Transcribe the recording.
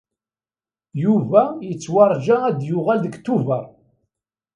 Yuba yettwarǧa ad d-yuɣal deg Tubeṛ.